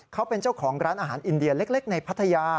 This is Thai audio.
เขาเป็นเจ้าของร้านอาหารอินเดียเล็กในพัทยา